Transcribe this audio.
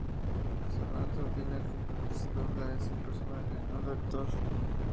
Solans opina que "lo que se dobla es el personaje, no el actor".